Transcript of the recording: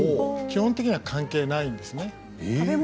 基本的には関係ないんです。